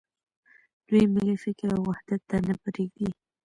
دوی ملي فکر او وحدت ته نه پرېږدي.